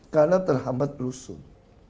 karena terhambat rusun